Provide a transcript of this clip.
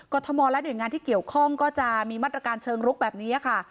ทมและหน่วยงานที่เกี่ยวข้องก็จะมีมาตรการเชิงลุกแบบนี้ค่ะ